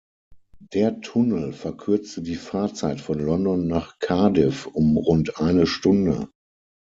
Der Tunnel verkürzte die Fahrzeit von London nach Cardiff um rund eine Stunde.